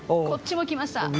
こっちもきました？